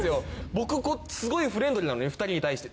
僕すごいフレンドリーなのね２人に対して。